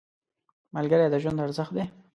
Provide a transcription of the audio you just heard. ملګری د ژوند ارزښت دی